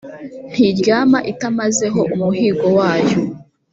ntiryama itamazeho umuhigo wayo.